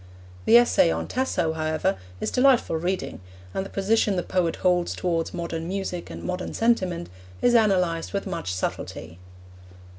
The essay on Tasso, however, is delightful reading, and the position the poet holds towards modern music and modern sentiment is analysed with much subtlety.